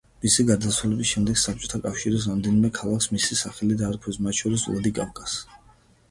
მისი გარდაცვალების შემდეგ საბჭოთა კავშირის რამდენიმე ქალაქს მისი სახელი დაარქვეს, მათ შორის ვლადიკავკაზს.